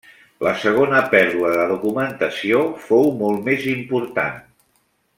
La segona pèrdua de documentació fou molt més important.